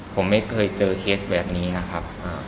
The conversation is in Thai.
ผมไม่เคยเจอเคสแบบนี้นะครับ